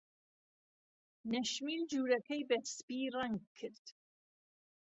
نەشمیل ژوورەکەی بە سپی ڕەنگ کرد.